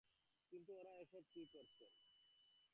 কিন্তু ওঁরা এ-সব কী করছেন?